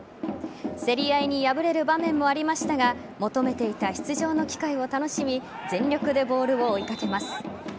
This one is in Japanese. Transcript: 競り合いに敗れる場面もありましたが求めていた出場の機会を楽しみ全力でボールを追いかけます。